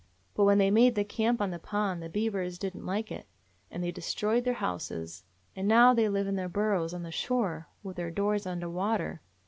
But when they made the camp on the pond the beavers did n't like it, and they destroyed their houses ; and now they live in their burrows on the shore, with their doors under water.